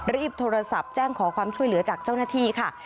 รีบโทรศัพท์แจ้งขอความช่วยเหลือจากเจ้าหน้าที่ค่ะ